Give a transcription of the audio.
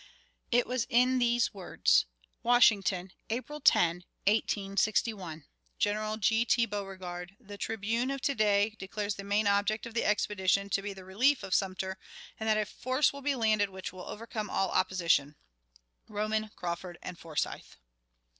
It was in these words: "Washington, April 10, 1861. "General G. T. Beauregard: The 'Tribune' of to day declares the main object of the expedition to be the relief of Sumter, and that a force will be landed which will overcome all opposition. "Roman, Crawford, and Forsyth."